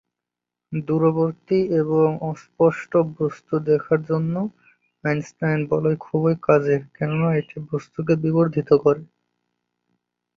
দূরবর্তী এবং অস্পষ্ট বস্তু দেখার জন্য আইনস্টাইন বলয় খুবই কাজের কেননা এরা বস্তুকে বিবর্ধিত করে।